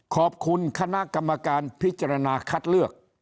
ขอบคุณคณะกรรมการพิจารณาคัดเลือก